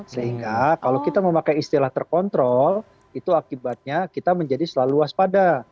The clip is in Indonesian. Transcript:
sehingga kalau kita memakai istilah terkontrol itu akibatnya kita menjadi selalu waspada